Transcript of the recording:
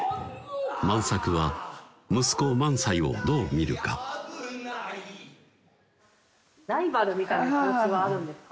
万作は息子・萬斎をどう見るかライバルみたいな気持ちはあるんですか？